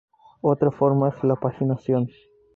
Otra forma es la paginación.